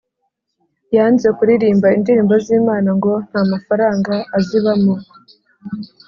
yanze kuririmba indirimbo z’Imana ngo ntamafaranga azibamo